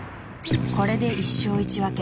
［これで１勝１分け］